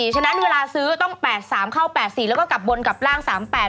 ฉะนั้นเวลาซื้อต้อง๘๓เข้า๘๔แล้วก็กลับบนกับร่าง๓๘